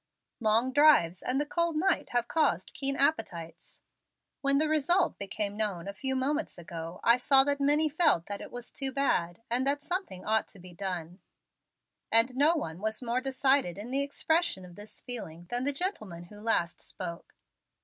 Long drives and the cold night have caused keen appetites. When the result became known a few moments ago, I saw that many felt that it was too bad, and that something ought to be done, and no one was more decided in the expression of this feeling than the gentleman who last spoke.